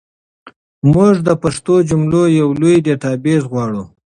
موږ د پښتو جملو یو لوی ډیټابیس غواړو.